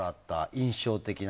印象的な。